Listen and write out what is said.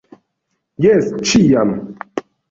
Jes, ĉiam!